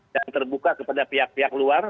dan terbuka kepada pihak pihak luar